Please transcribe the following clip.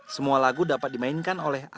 semua lagu dapat dimainkan oleh angklung